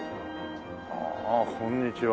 ああこんにちは。